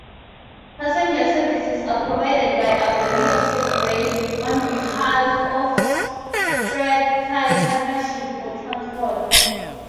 Passenger services are provided by Abellio ScotRail on behalf of Strathclyde Partnership for Transport.